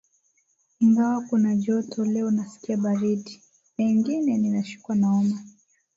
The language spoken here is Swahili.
Ingawa kuna joto leo nasikia baridi. Pengine ninashikwa na homa.